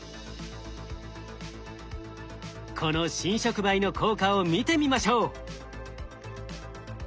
この新触媒の効果を見てみましょう。